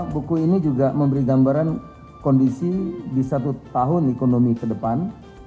buku ini juga memberi gambaran kondisi di satu tahun ekonomi ke depan